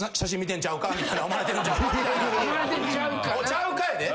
ちゃうかやで？